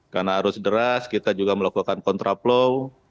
karena arus deras kita juga melakukan kontraplow